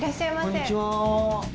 こんにちは。